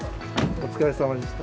お疲れさまでした。